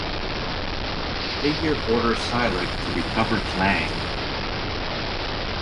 The figure orders Silik to recover Klaang.